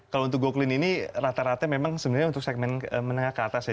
kalau untuk go clean ini rata rata memang sebenarnya untuk segmen menengah ke atas ya